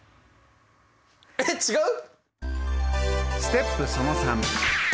えっ違う？